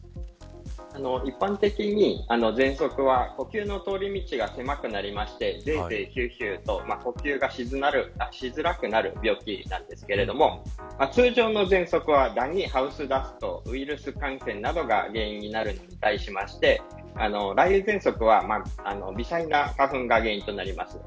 一般的に、ぜんそくは呼吸の通り道が狭くなってゼーゼーヒューヒューと呼吸がしづらくなる病気なんですけれども通常のぜんそくはダニ、ハウスダストウイルス感染などが原因になりまして雷雨ぜんそくは微細な花粉が原因となります。